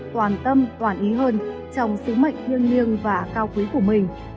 toàn tâm toàn ý hơn trong sứ mệnh nghiêng nghiêng và cao quý của mình